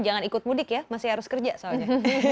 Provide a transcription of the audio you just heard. jangan ikut mudik ya masih harus kerja soalnya